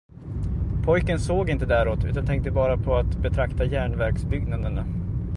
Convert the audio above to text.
Pojken såg inte däråt, utan tänkte bara på att betrakta järnverksbyggnaderna.